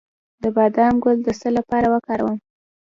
د بادام ګل د څه لپاره وکاروم؟